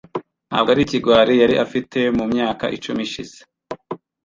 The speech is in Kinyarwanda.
Ntabwo ari ikigwari yari afite mu myaka icumi ishize.